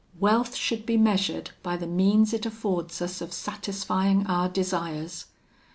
Wealth should be measured by the means it affords us of satisfying our desires.